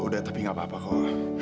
udah tapi gak apa apa kok